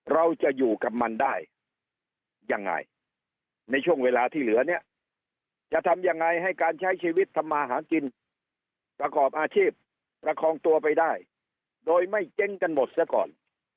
เราจะอยู่กับมันได้ยังไงในช่วงเวลาที่เหลือเนี่ยจะทำยังไงให้การใช้ชีวิตทำมาหากินประกอบอาชีพประคองตัวไปได้โดยไม่เจ๊งกันหมดเสียก่อน